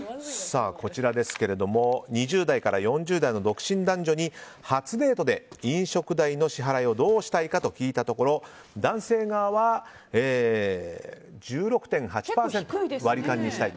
こちらですが２０代から４０代の独身男女に初デートで飲食代の支払いをどうしたいかと聞いたところ男性側は１６．８％が割り勘にしたい。